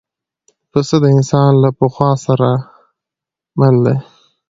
پسه د انسان له پخوا سره مل دی.